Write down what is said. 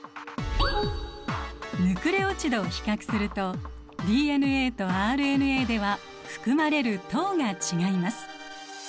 ヌクレオチドを比較するとＤＮＡとＲＮＡでは含まれる糖が違います。